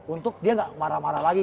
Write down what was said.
untuk dia gak marah marah lagi